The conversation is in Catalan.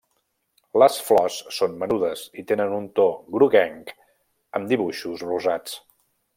Les flors són menudes i tenen un to groguenc amb dibuixos rosats.